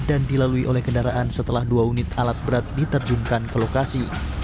dilalui oleh kendaraan setelah dua unit alat berat diterjunkan ke lokasi